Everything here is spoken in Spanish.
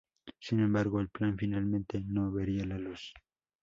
Sin embargo, el plan finalmente no vería la luz.